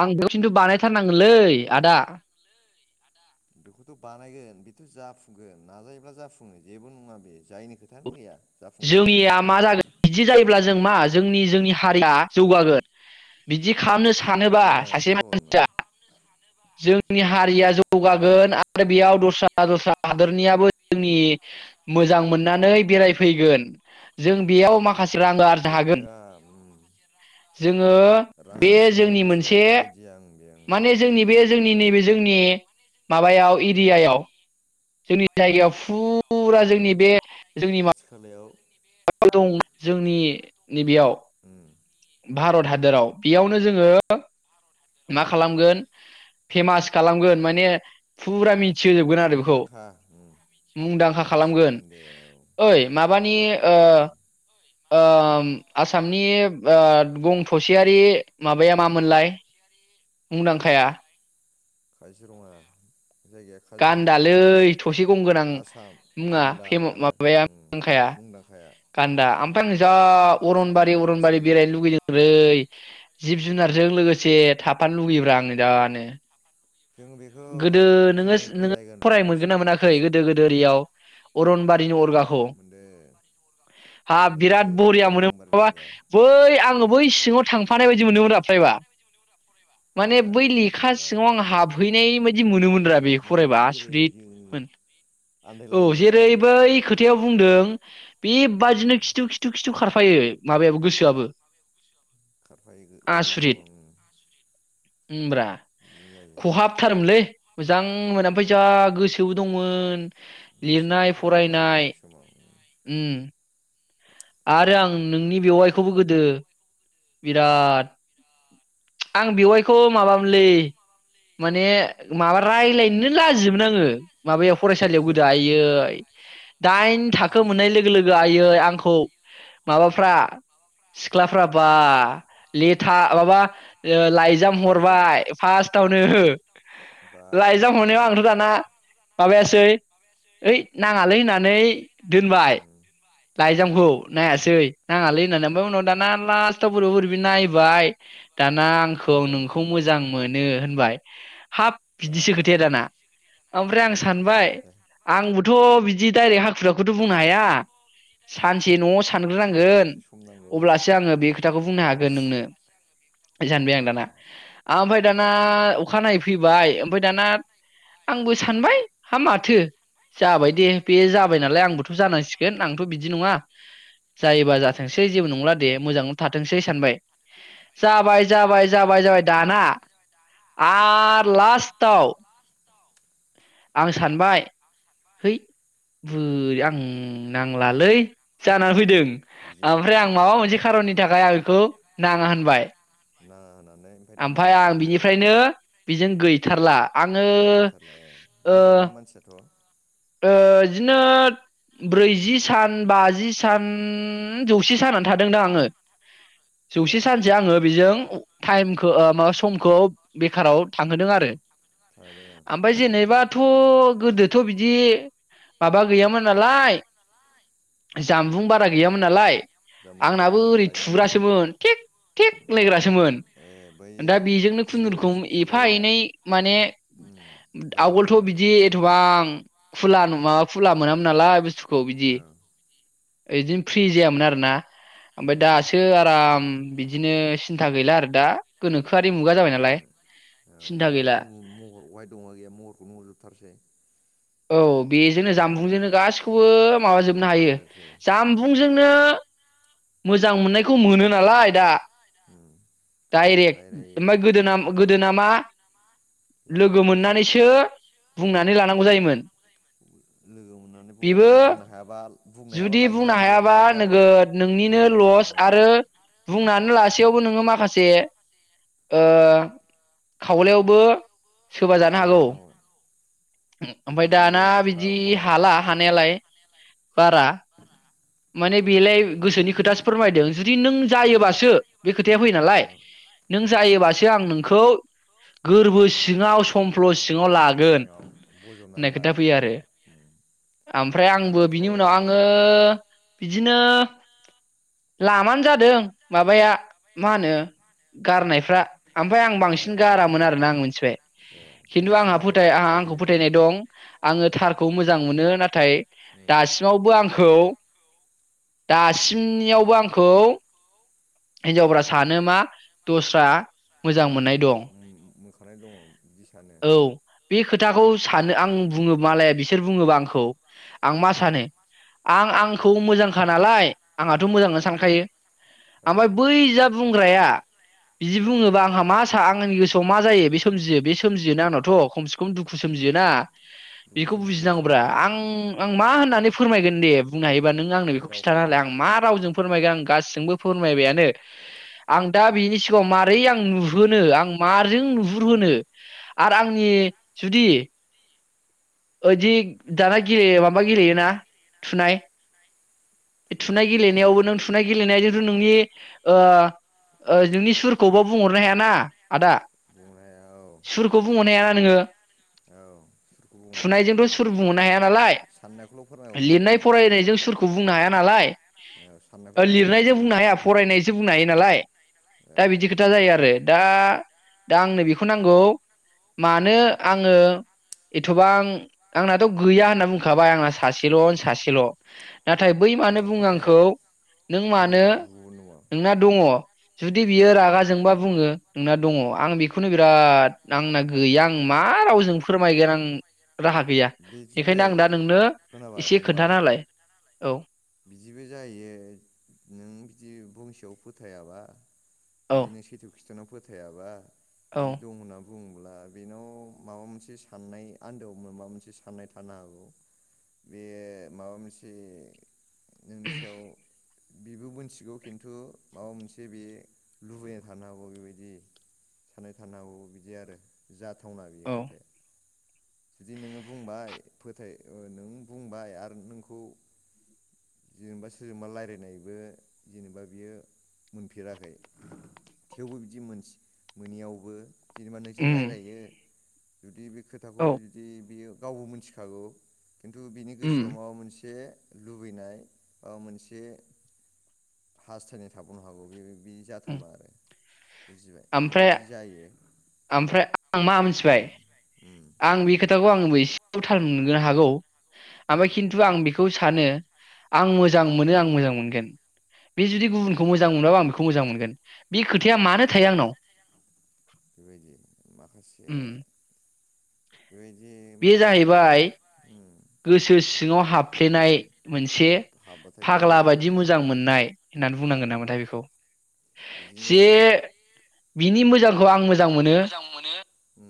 आं बेयाव खिनथु बानाय थारनांगोनलै आदा। बेखौथ बानायगोन बेथ जाफुंगोन नाजायोब्ला जाफुङो जेबो नङा बे जायिनि खोथायानो गैया। जाफुंगोन बे जोंनिया मा जागोन बिदि जायोब्ला जों मा जोंनि जोंनि हारिया जौगागोन। बिदि खालामनो सानोबा जौगानायाथ' सासे जौगागोन नों मानसिया जोंनि हारिया औ जौगागोन आरो बेयाव द [unintelligible] हादोरनियाबो [unintelligible] मोजां मोननानै बेराय फैगोन जों बेयाव बे माखासे [unintelligible] ओम जोङो, रां बे आरजिनायनि जोंनि मोनसे आइडिया ओं बे ओं माने जोंनि बे जों नि नैबे जोंनि माबायाव एरियायाव जोंनि जायगायाव फु फुरा औ जोंनि बे जोंनि मा खाथि खालायाव [unintelligible] दं जोंनि नैबेयाव। ओम भारत हादराव बेयावनो जोङो मा ओम खालामगोन फेमास खालामगोन माने फुरा मि थि होजोबगोन आरो बेखौ, मुंदांखा ओम मुंदांखा खालामगोन। मिथिगोन दे औ ओइ माबानि ओ ओम ओम आसामनि ओ गं थसेयारि माबाया मा मोनलाय? मुंदांखाया काजिरङा जायगाया गान्दालै काजिरङा थसे गं गोनां आसाम मुङा गान्दा गान्दा उम [unintelligible] मुंदांखाया गान्दा आमफ्राय आं जा उम अरनबारि आसामनि अरनबारि आसामाव बेरायनो लुगैदों लै। जिब जुनारजों लोगोसे थाफानो लुुबैयो ब्रा आङो जा नो। जों बेखौ गोदो नोङो जोङो नोङो बेरायगोन र' फरायनो मोनगोन फैसा ना मोनाखै फैसा गोदो गोदो ओरियाव, उम अरनबारिनि अरगाखौ? मोनदों हाब मोनदों बिराद बरिया मोनो अरंबारि माबा नङा बै आङो बै सि ङाव थांफानाय बायदि मोनोमोन रा फारायबा माने फरायबा बै लेखा बाब्रायबा सिङाव आं हाब नाय बायदि मोनोमोनब्रा बेखौ हाबनानै फरायबा बेरायनाय जोङो आसुरितमोन। औ आन्दायलायोमोन ना जेरै बै खोथा याव बुंदों उम बेबादिनो खिथु खिथु खिथु खारफायो। माबायाबो गोसोआबो। खारफायो उन्दै समाव उम उमब्रा [unintelligible] खहाबथारोमोनलै मोजां मोन ओमफ्राय जा गोसोबो दंमोन। बे सोनानै लिरनाय फरायोमोन ना जों फरायनाय उन्दै समाव उम। आरो आं नोंनि बेवाइखौबो गोदो बिराद, आं बेवायखौ माबा मोनलै, माने माबा रायलायनो नो लाजियोमोन आङो। माबायाव फरायसालियाव गोदो सोरजों आइै दाइन थाखो गिबिजों मोननाय लोगो लोगो आयै आंख औ माबाफ्रा, सिख्ला बा ए लेथा माबा बिराद ओ लाइजाम लाइजाम हरबाय फास थावनो हो लाइजाम हरनायाव बाबरे आंथ बाब दाना माबायासै ओइ नाङालै होननानै दोनबाय उम उम लाइजामखौ नायासै। नाङालै होननानै ओमफाय उनाव दाना पस्थाव बोरैबा बोरैबि नायबाय। दाना आंखौ मोजां नोंखौ मोनखांबाय मोजां मोनो होनबाय हाब बा बिदिसो खोथाया दाना ओमफ्राय आं मोजां सानबाय मोनलायनायनि खोथा आंबोथ बिदि [unintelligible] खुलाखौथ बुंनो उम हाया। सानसे न'आव सा औ सानग्रोनांगोन एसे सम नांगौ औ अब्ला स सो आङो बे खोथाखौ बुंनो हागोन नोंनो सानबाय आं दाना। ओमफ्राय खोथा दाना बुंबाय अखानायै फै बाय ओमफाय दाना आंबो सानबाय हा माथो जाबाय दे बे जाबायनालाय आंबोथ जानांसिगोन आंथ बिदि नङा। जायोबा उम जाथोंसै जेबो नंला मोजाङावनो थाथोंसै सानबाय जाबाय जाबाय जाबाय जाबाय दाना आरो लास्टाव आं सानबाय होइ बुरै आं नांलालै जानानै फैदों। बिदि सानदों ओमफ्राय आं आरो माबा औ मोनसे खारननि थाखाय आं बेखौ नाङा होनबाय। ना ना आमफाय आं बिनिफायनो बेजों गैथारला आङो गैथारला ए ओ मोजांमोन मानसियाथ' ओ बिदिनो ब्रैजि सान बाजि सान जौसे सानानो थादोंदा आङो। ए जौसे सानसे आङो बेजों उम टाइमखौ ओ माबा समखौ बेखाराव थांहोदों आरो। थादों आं आमफाय बेबायदि जेनेबाथ गोदोथ दि माबा गैयामोननालाय जानबुं बारा गैयामोननालाय जामुं आंनाबो गैयामोन औ ओरै लाइजामनि जिउ थुग्रासोमोन थेग थेग लायग्रासोमोन ए बैयो दा बेजोंनो जिबौ खुनुरुखुम जिबौ एफा खारलायग्राया एनै माने उम आवगोलथ रायज्लायहरोमोन बिदि एथबां खुला नङा खुला मोनामोन नालाय बुसथु खौ बिदि। औ ऐदिम फ्रि जायामोन आरो ना। ओमफाय उम दासो आराम उम बिदिनो सिन्था गैला आरो दा गोनोखो औ दाथ गैला महरहाय दङ गैया महरखौ नुहरजोबथारसै औ बाब्रे बेजोंनो जामबुंजोंनो बा गासैखौबो माबा जोबनो हायो आरोसो उम जामबुंजोंनो मोजां मोननायखौ मोनो नालाय दा उम दायरेक रायलायो ओमफाय गोदोना गोद दो नामा लोगो लाइजामजोंसो मोननानैसो औ बुंनानै लानांगौ जायोमोन, लोगो मोननानै बुंना बेबो लायो बुंनो हायाबा बुंनो हायाबा जुदि बुंनो लाइजाम हायाबा लिरलायबाय नोगोद नोंनिनो लोगोआ लस आरो बुंनानै लासेयावबो नोङो माखासे, ओ खावलायावबो सोबा जानो सोरबा हागौ, जानांगौ ओमफ्राय जुदि दाना बैयो बिदि राव फराबा हाला ओं हानायालाय बारा, माने हानोथ' बेलाय हाला गोसोनि खोथासो फोरमायदों जुदि नों औ जायोबासो बे खोथाया फैयो औ नालाय नों औ जायोबासो आं नोंखौ गोरबो लागोन सिङाव समफ्ल जोंजों सिङाव लागोन सिगाङाव होननाय बजबनानै खोथा लागोन फैयो बा आरो आमफ्राय आंबो दानाथ' बिनि उनाव आङो बिदिनो लामानो जादों माबाया मा होनो गारनायफ्रा ओमफफ्राय आं बांसिन गारामोन आरोना आं गारनाया मिथिबाय ए खिन्थु बैजोंसो आंहा फोथाय गारजायोमोन आंहा आंखौ आइजोजों फोथायनाय दं आङो औ थारखौ मोजां मोनो नाथाय उम दासिमावबो आं खौ दासिमनियावबो आंखौ औ हिनजावफोरा सानो मा, दस्रा मो मोजां मोननाय दं, मोखानाय दङ बिदि सानो औ बे खोथाखौ सानो आं बुङो मालाया बिसोर बुङोबा आंखौ आं मा उम सानो आं आं खौ मोजांखा नालाय आंहाथ' औ मोजांनो सानखायो औ ओमफ्राय बै जा बुंग्राया, बिदि औ बुङोबा आंहा मा सा आं आंनि गोसो, खौ मा जायो बे सोमजियो बे सोमजियो आंनावथ' खम से बे दुखु सोमजियोना दुखु बेखौ सोमजियो बुजिनांगौब्रा साननाया आं आं मा होननानै फोरमायगोन दे बुंनो हायो, ओनबा आंनो बे बेखौ खिन्था रावखौ हालाय आं मा रावजों उम फोरमायगोन आं गासिजोंबो, फोरमायबायानो आं दा बिनि सिगाङाव मारै आं नुहोनो आं माजों नुहुरहोनो आरो आंनि जुदि, ओदि औ दाना गेलेयो माबा गेलेयोना थुनाय बे थुनाय गेलेनायावबो नों थुनाय गेलेनाय [unintelligible] नोंनि ओ ओ नोंनि सुरखौबो बुंहरनो हायाना आदा बुंनो हाया औ सुरखौ बुंहरनाया नोङो औ सुरखौ बुंनो हाया आं थुनायजोंथ' सुर बुंहरनो हाया नालाय साननायखौल' फोरमायहरनो लिरनाय हायो फरायनायजों सुरखौ बुंनो उम हाया नालाय औ ओ साननायखौल' फोरमायनो लिरनायजों हायो बुंनो हाया फरायनायजों बुंनो हायो नालाय दा उम बिदि खोथा जायो आरो। दा दा आंनो बेखौ नांगौ मानो आङो थबां आंनाथ गैया होनना बुंखाबाय आंना सासेलन औ उम सासेल' नाथाय बै मानो बा बुङो फोथाया आंखौ नों दङ मानो गुबुनाव औ नोंना दङ। जुदि बियो रागा जोंबा बुङो नोंना दङ। आं बेखौनो बिराद आंना गैया आं मा रावजों फोरमायगोन आं राहा गैया बि बेखायनो दिनै आं दा नोंनो खोनाबाय एसे फंबाय खोन्थाना होलाय औ बिदिबो जाहैयो नों बिदि बुंंसेयाव फोथ थाया बा औ बिदिनो सैथो खिनथानायाव फो फोथायाबा औ बिदि दं नाम बुंब्ला बेनाव माबा मोनसे साननाय आन्दोआव माबा मोनसे साननाय थानो हागौ बे माबा मोनसे नोंनि सायाव बिबो मोनथिगौ खिन्थु माबा मोनसे बे लुबैनाय थानो हागौ बेबायदि साननाय थानो हागौ बिदि आरो जा जाथावना औ बेयो खोथाया जुदि नोङो बुंबाय फोथाय ओ नों बुंबाय आरो नोंखौ जेनेबा सोरजोंबा लायरायनायबो जेनेबा बियो मोनफेराखै थेवबो बिदि मोनसि मोनैयावबो जेनेबा नोंजों उम लायरायो जुदि बे खो औ जुदि बियो गावबो मोन्थिखागौ। खिन्थु बिनि उम गोसोआव माबा मोनसे लुबैनाय माबा मोनसे हास्थायनाय थाबावनो हागौ बे बि जाथावना आरो। बुजिबाय आमफ्राय बेबायदि जायो आमफ्राय आं मा मिथिबाय उम उम आं बे खोथा थाखौ आंबो एसे थाल मोननो हागौ। आमफाय उम खिन्थु आं बिखौ सानो आं उम मोजां मोनो आं मोजां मोनगोन। बे जुदि उम गुबुनखौ मोजां मोनब्ला आं बेखौ मोजां मोनगोन। बि औ खोथाया मानो थायो आंनाव बेबायदि माखासे उम बेबायदि माखासे गोसोसो सिङाव हाबफ्लेनाय गोसो मोनसे हाब हाबबाथाय बिदि फाग्ला जायो बायदि मोजां मोननाय होननानै बुंनांगोन ओं औ नामाथाय बेखौ बिदिनो जे जाहैयो बिनि मोजां [unintelligible] मोजां मोनो उम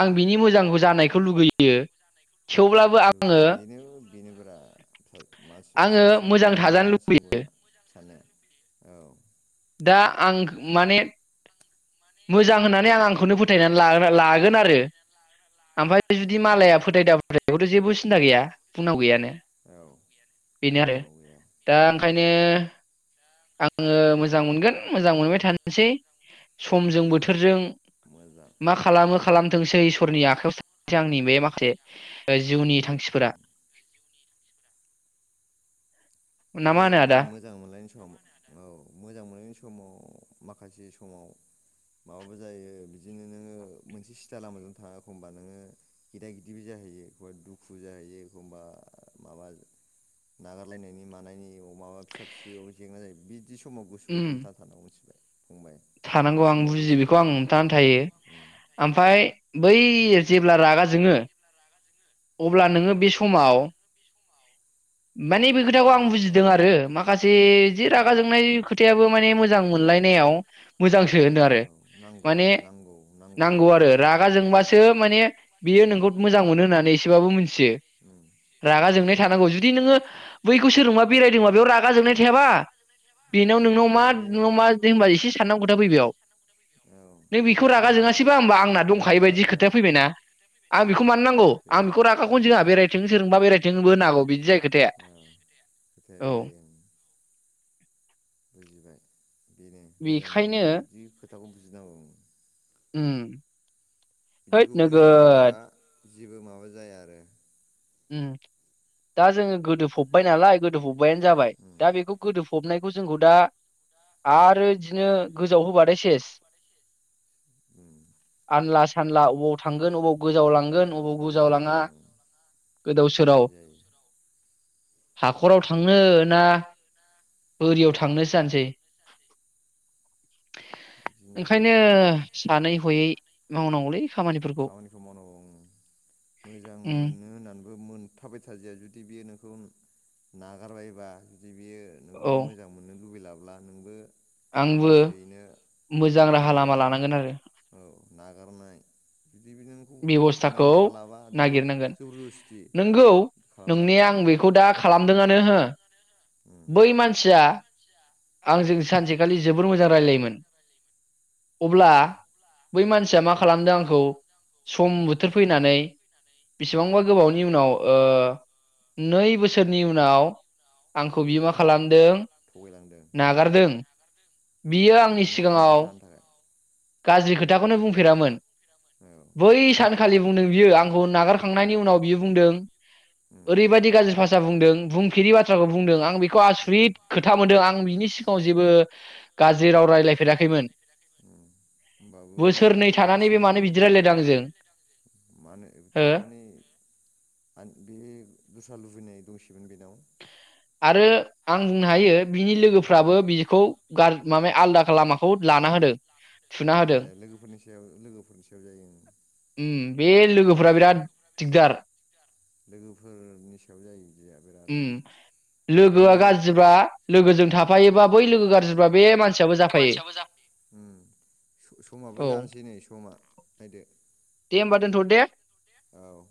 आं बिनि मो मोजां जानायखौ लुुबैयो थेवब्लाबो लुबैयो आङो बेनो बेनो ब्रा मा-मासे आङो सा-सासे मोजां थाजानो लुगैयो मानसि नांगौ होनना सानो। औ। दा आं माने मोजां होननानै आं आंखौनो फोथायनानै ला लागोन आरो ओमफ्राय जुदि औ मालाया फोथायदाब जेबो सिन्था गैया बुंनाव गैयानो। औ बेनो आरो उनाव गैया दा ओंखायनो आङो मोजां मोनगोन मोजां मोनबाय थानोसै समजों बोथोरजों मोजां मा खालामो खालामथोंसै इसोरनि आखायाव थासै आंनि बे माखसे जिउनि थांखिफोरा। [inaudible] खिन्थु मा दोब होनो बिदि आदा मोजां मोनलायनाय सम औ मोजां मोनलायनायनि सम समाव माखासे समाव माबाबो जायो बिदिनो नोङो मोनसे स्टाइला मोजां थाङा एखमबा नोङो गेदा गिदिबो जाहैयो हय दुखु जायो एखबा माबा नागारलायनायनि मा नायनि माबा फिसा फिसौ जेंना जायो बि बिदि समाव गोसोआव उम हमथााथानांगौ मिनथिबाय। थानांगौ आं बुजियो बेखौ आं हमथानानै थानांगौ थायो उम ओमफ्राय बै जेब्ला रागा जोङो औ अब्ला नोङो बे समाव माने बे रागा खोथाखौ आं जोंनाय समाव बुजिदों आरो माखासे जि रागा उम जोंनाय दे खोथायाबो माने मोजां मोनलायनायाव मोजांसो होनो आरो औ नांगौ माने नांगौ नांगौ नांगौबो आरो रागा उम जोंबासो माने बियो नोंखौ मोजां मोनो होननानै [unintelligible] [unintelligible] उम रागा जोंनाय बुजियो थानांगौ उम जुदि नोङो मिथियो बैखौ सोरजोंबा बेरायदोंबा बेयाव रागा जोंनाय थायाबा औ बेनाव नोंनाव बे मा [unintelligible] मा जेनबा एसे साननां [unintelligible] फै बेयाव औ नों ओमफ्राय बेखौ बेथ' रागा मोजां जोंङासैबा होमबा आंना दंखायो रागा बायदि जोङा खोथाया फैबायना आं औ बेखौ मानो नांगौ आं बेबायदि बेखौ रागाखौनोजोङा उम बेरायथों सोरजोंबा बेरायथोंबो उम होननो हागौ बिदि जायो खोथाया औ खोथाया बे औ जायो ओं बुजिबाय। बेनो मोजां बेखायनो मोनलायनायाव बिदि खो खोथाखौ बुजिनांगौ उम। उम। हैद बिदिखौ बुजियोबा नोगोद जेबो माबा जाया आरो उम्म दा जोङो गोदो फब्बाय नालाय गोदो फब बायानो जाबाय उम दा बेखौ गोदो फबनाय [unintelligible] जोंखौ दा आरो इदिनो गोजाव होबाथाय सेस। उम आनला सानला अबाव थांगोन अबाव गोजावलांगोन माबा अबाव गोदाव सोराव गोजावलाङा जायो ओं गोदाव सोराव बिदि जायो हाख'राव थांनो ना बोरिआव थांनोसो जानोसै। बिदिनो [unintelligible] जाहैयो ओंखायनो सानै हयै मावनांगौलै। खामानिफोरखौ खामानिखौ मावनांगौ उम्म मोजां उम मोनो होननानै [unintelligible] मोनथाबाय थाजाया जुदि बियो नोंखौ नागारबायबा दि बियो नोंखौ औ मोजां मोननो लुबैला ब्ला नोंबो आंबो लासैनो मोजां उम्म राहा लामा जेनेबा लानांगोन आरो औ नागारनाय जुदि बे नोंखौ बेबस्थाखौ नांखालाबा बेखौ नागिरनांगोन जबरदस्ति नोंगौ खालामनाङा नोंनाया आं बेखौ दा खालामदोंआनो। ओहो उम बै मानसिया औ आंजों सानसेखालि जोबोर मोजां रायलायोमोन औ अब्ला बै मानसिया मा खालामदों आंखौ सम उम बोथोर फैनानै उम बिसिबांबा गोबावनि उनाव ओ नै बोसोरनि उनाव आंखौ बियो मा खालामदों थगायलांदों नागारदों। बियो नागारदों आंनि मानो मा सिगांङाव जानो थाखाय गाज्रि खोथाखौनो बुंफेरामोन। औ बै सान खालि बुंदों बियो आंखौ नागारखांनायनि उनाव बियो बुंदों उम ओरैबायादि गाज्रि फास जा बुंदों बुंफेरि बाथ्राखौ बुंदों आं बे ए आसुरिद खोथा मोनदों आं बिनि सिग आव जेबो गाज्रि राव रायलायफेराखैमोन। अम होमबाबो नायदो बोसोरनै माबायदि थानानै बे मानो सोलायहैयो बिदि रायलायदों आंजों मा होनो हो थारमाने मान बे दस्रा लुबैनाय दंस [unintelligible] बिनाव आरो आं बुंनो हायो बिनि लोगो फाबो बिखौ गार माने आलादा लामाखौ लाना होदों। थुना ए होदों लोगोफोरनि सायाव लोगोफोरनि सायाव जायो उम उम बे बिदि लोगोफोरा बिराद दिगदार लोगोफोरनि सायाव जायो बिदिया उम बिरादनो। लोगोआ ओंखायनो गाज्रिबा लोगोजों थाफायोबा बै लोगो गाज्रिबा बे मान समाबो औ जानोसै नै समा नायदो। दे होमबा दोनथनो दे औ